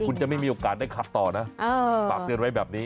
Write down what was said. คุณจะไม่มีโอกาสได้ขับต่อนะฝากเตือนไว้แบบนี้